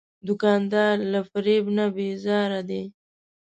دوکاندار له فریب نه بیزاره دی.